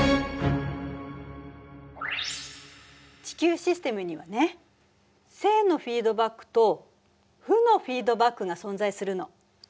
地球システムにはね正のフィードバックと負のフィードバックが存在するの。